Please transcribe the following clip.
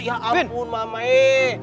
ya ampun mama ee